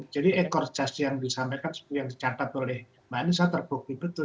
jadi ekor jas yang disampaikan seperti yang dicatat oleh mbak melissa terbukti betul